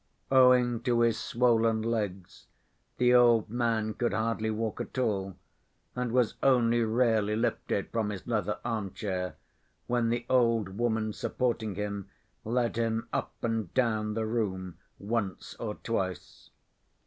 Owing to his swollen legs, the old man could hardly walk at all, and was only rarely lifted from his leather arm‐chair, when the old woman supporting him led him up and down the room once or twice.